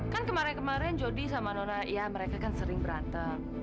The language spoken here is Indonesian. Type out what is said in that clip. kan kemarin kemarin jody sama nona ya mereka kan sering berantem